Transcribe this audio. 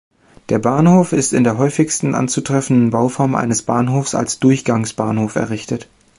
Der Bahnhof ist in der häufigsten anzutreffenden Bauform eine Bahnhofs als Durchgangsbahnhof errichtet.